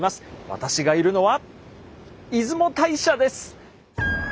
私がいるのは出雲大社です。